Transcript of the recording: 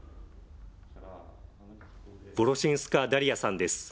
ヴォロシンスカ・ダリヤさんです。